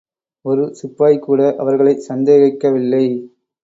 ஒரு சிப்பாய்கூட அவர்களைச்சந்தேகிக்கவில்லை.